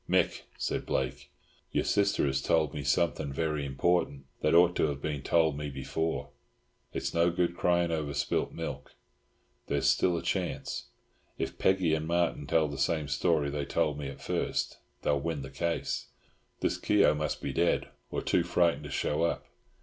"Mick," said Blake, "your sister has told me something very important that ought to have been told me before. It's no good crying over spilt milk. There's still a chance. If Peggy and Martin tell the same story they told me at first, they will win the case. This Keogh must be dead, or too frightened to show up.